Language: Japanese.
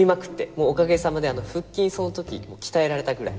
もうおかげさまで腹筋その時鍛えられたくらい